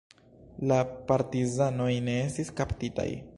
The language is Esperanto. La partizanoj ne estis kaptitaj.